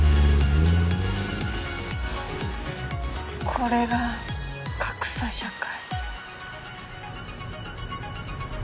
これが格差社会。